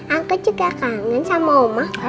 aku juga kangen sama oma